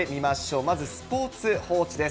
まず、スポーツ報知です。